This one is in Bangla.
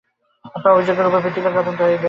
আপনার অভিযোগের উপর ভিত্তি করে তদন্ত হবে।